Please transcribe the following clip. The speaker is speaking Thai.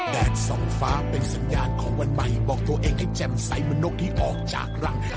แดดสองฟ้าเป็นสัญญาณของวันใหม่บอกตัวเองให้แจ่มใสเหมือนนกที่ออกจากรัง